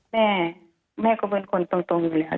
แม่แม่ก็เป็นคนตรงอยู่แล้ว